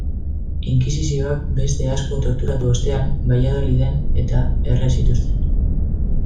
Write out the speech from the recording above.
Inkisizioak beste asko torturatu ostean Valladoliden-eta erre zituzten.